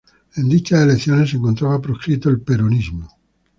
En dichas elecciones se encontraba proscrito el Peronismo.